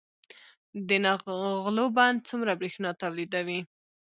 د نغلو بند څومره بریښنا تولیدوي؟